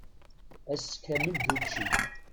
Ass kamel d učči.